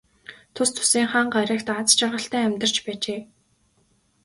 Тус тусынхаа гаригт аз жаргалтай амьдарч байжээ.